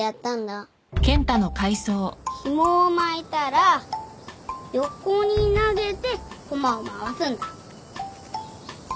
ひもを巻いたら横に投げてコマを回すんだ